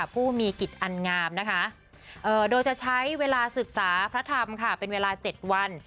ผู้มีกิจอันงามนะคะโดยจะใช้เวลาศึกษาพระธรรมค่ะเป็นเวลา๗วัน